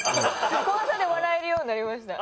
怖さで笑えるようになりました。